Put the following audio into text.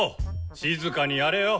静かにやれよ。